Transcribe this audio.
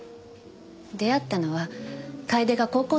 出会ったのは楓が高校生の頃。